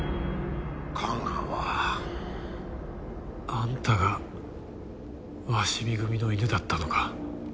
あんたが鷲見組の犬だったのか？